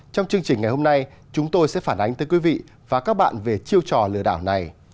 trong chương trình ngày hôm nay chúng tôi sẽ phản ánh tới quý vị và các bạn về chiêu trò lừa đảo này